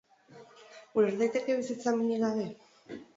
Uler daiteke bizitza minik gabe?